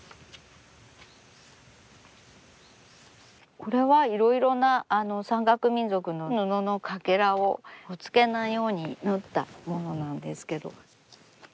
これはいろいろな山岳民族の布のかけらをほつけないように縫ったものなんですけど。